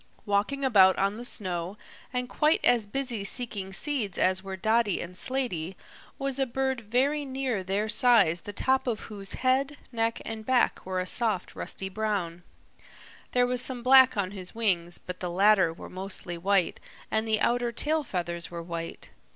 Walking about on the snow, and quite as busy seeking seeds as were Dotty and Slaty, was a bird very near their size the top of whose head, neck and back were a soft rusty brown. There was some black on his wings, but the latter were mostly white and the outer tail feathers were white.